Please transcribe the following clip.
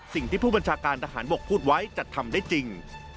สิ่งที่ผู้บัญชาการทหารบกพูดไว้จะทำได้จริง